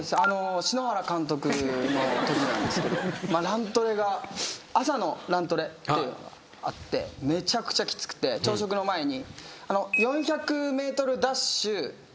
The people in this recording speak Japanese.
篠原監督のときなんですけどラントレが朝のラントレっていうのがあってめちゃくちゃきつくて朝食の前に。